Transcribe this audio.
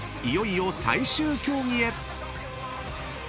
いよいよ最終競技へ］